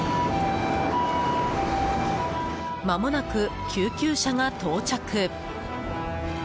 まもなく救急車が到着。